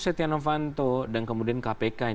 stiano vanto dan kemudian kpk yang